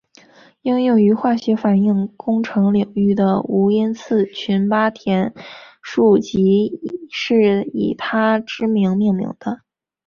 应用于化学反应工程领域的无因次群八田数即是以他之名命名的。